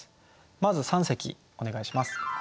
まず三席お願いします。